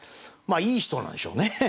まあいい人なんでしょうね。